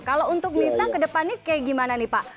kalau untuk mifta ke depannya kayak gimana nih pak